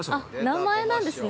◆名前なんですね。